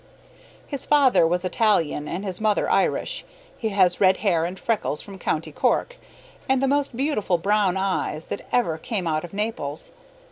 His father was Italian and his mother Irish; he has red hair and freckles from County Cork and the most beautiful brown eyes that ever came out of Naples.